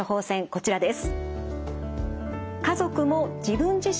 こちらです。